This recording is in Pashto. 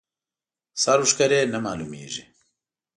سر و ښکر یې نه معلومېږي.